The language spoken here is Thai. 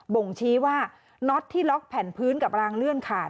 บ่งชี้ว่าน็อตที่ล็อกแผ่นพื้นกับรางเลื่อนขาด